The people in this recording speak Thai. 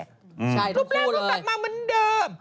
ใช่ทุกคู่เลยรูปแรงรูปตัดมาเหมือนเดิม